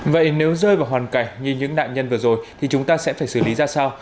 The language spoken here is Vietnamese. vậy nếu rơi vào hoàn cảnh như những nạn nhân vừa rồi thì chúng ta sẽ phải xử lý ra sao